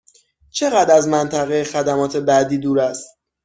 چقدر از منطقه خدمات بعدی دور است؟